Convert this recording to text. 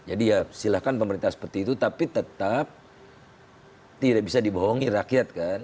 jadi ya silakan pemerintah seperti itu tapi tetap tidak bisa dibohongi rakyat kan